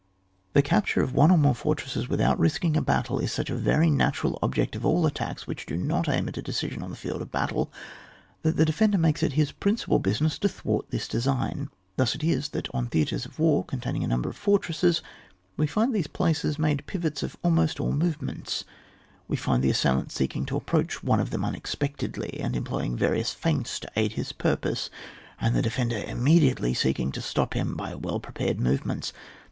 The capture of one or more fortresses without risking a battle, is such a very natural object of all attacks which do not aim at a decision on the field of battle, that the defender makes it his principal business to thwart this design. Thus it is that on theatres of war, containing a number of fortresses, we find these places made the pivots of almost all the movements ; we find the assailant seek ing to approach one of them unexpectedly, and employing various feints to aid his purpose, and the defender immediately seeking to stop him by well prepared movements.